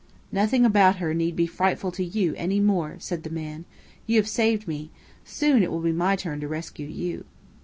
"Nothing about her need be frightful to you any more," said the man. "You have saved me. Soon it will be my turn to rescue you."